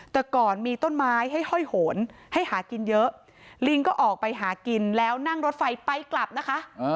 แต่ก่อนมีต้นไม้ให้ห้อยโหนให้หากินเยอะลิงก็ออกไปหากินแล้วนั่งรถไฟไปกลับนะคะ